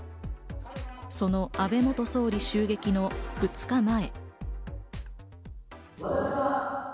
その安倍元総理襲撃の２日前。